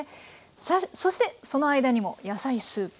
さあそしてその間にも野菜スープ。